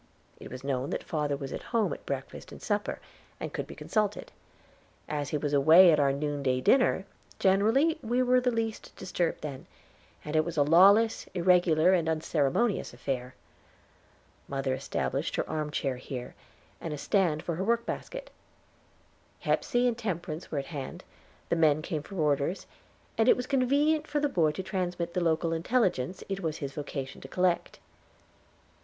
It was known that father was at home at breakfast and supper, and could be consulted. As he was away at our noonday dinner, generally we were the least disturbed then, and it was a lawless, irregular, and unceremonious affair. Mother establisher her arm chair here, and a stand for her workbasket. Hepsey and Temperance were at hand, the men came for orders, and it was convenient for the boy to transmit the local intelligence it was his vocation to collect.